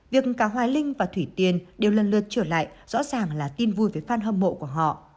việc cả hoài linh và thủy tiền đều lần lượt trở lại rõ ràng là tin vui với phan hâm mộ của họ